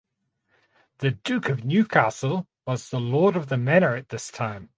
The Duke of Newcastle was lord of the manor at this time.